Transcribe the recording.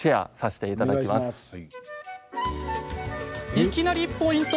いきなりポイント！